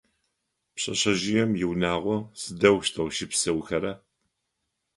Пшъэшъэжъыем иунагъо сыдэущтэу щыпсэухэра?